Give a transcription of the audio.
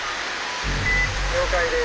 「了解です」。